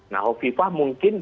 nah hovifah mungkin